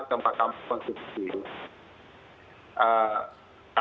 yang yang tidak masuk akal itu adalah yang yang tidak masuk akal